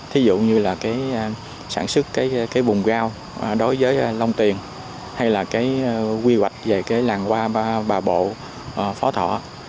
thí dụ như là sản xuất vùng gao đối với long tiền hay là quy hoạch về làng hoa bà bộ phó thọ